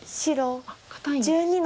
堅いんですね。